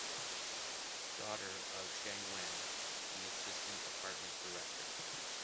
Daughter of Cheng Wen, the assistant department director.